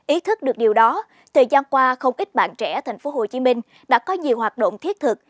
ý thức được điều đó thời gian qua không ít bạn trẻ tp hcm đã có nhiều hoạt động thiết thực